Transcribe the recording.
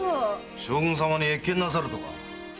将軍様に謁見なさるとか？